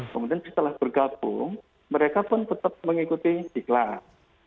kemudian setelah bergabung mereka pun tetap mengikuti siklat